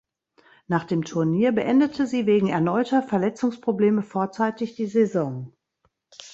Nach dem Turnier beendete sie wegen erneuter Verletzungsprobleme vorzeitig die Saison.